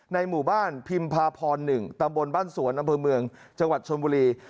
หมู่บ้านพิมพาพร๑ตำบลบ้านสวนอำเภอเมืองจังหวัดชนบุรี